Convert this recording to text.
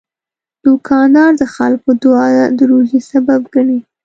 دوکاندار د خلکو دعا د روزي سبب ګڼي.